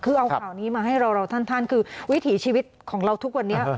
คือเอาข่าวนี้มาให้เราท่านคือวิถีชีวิตของเราทุกวันนี้